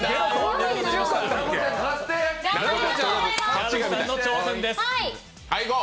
矢吹さんの挑戦です。